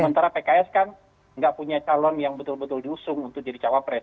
sementara pks kan nggak punya calon yang betul betul diusung untuk jadi cawapres